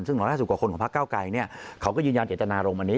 ซึ่ง๑๕๐กว่าคนของภาคเก้าไกรเขาก็ยืนยันเจตนาลงมานี้